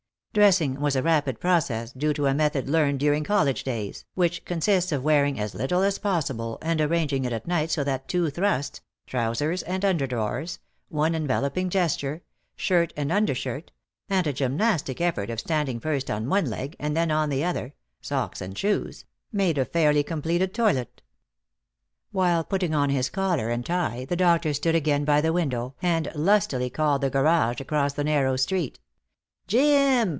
Dressing was a rapid process, due to a method learned during college days, which consists of wearing as little as possible, and arranging it at night so that two thrusts (trousers and under drawers), one enveloping gesture (shirt and under shirt), and a gymnastic effort of standing first on one leg and then on the other (socks and shoes), made a fairly completed toilet. While putting on his collar and tie the doctor stood again by the window, and lustily called the garage across the narrow street. "Jim!"